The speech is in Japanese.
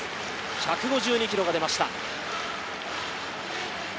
１５２キロが出ました。